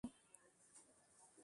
গরুটির কি হয়েছিল?